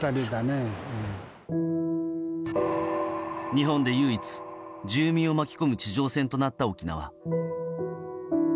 日本で唯一、住民を巻き込む地上戦となった沖縄。